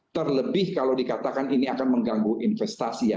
terlebih kalau dikatakan ini akan mengganggu investasi ya